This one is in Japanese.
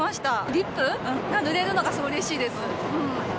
リップ塗れるのが、すごいうれしいです。